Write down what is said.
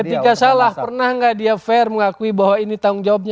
ketika salah pernah nggak dia fair mengakui bahwa ini tanggung jawabnya